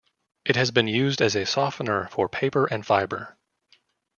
It has been used as a softener for paper and fiber.